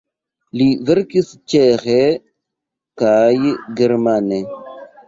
Li verkis ĉeĥe kaj germane.